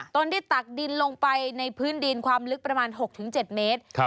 ตนได้ตักดินลงไปในพื้นดินความลึกประมาณ๖๗เมตร